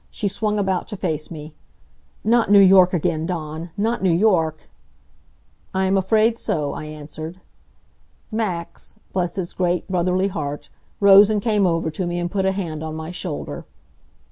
She swung about to face me. "Not New York again, Dawn! Not New York!" "I am afraid so," I answered. Max bless his great, brotherly heart rose and came over to me and put a hand on my shoulder.